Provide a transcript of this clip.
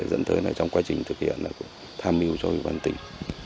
dẫn tới trong quá trình thực hiện là tham mưu cho quản tình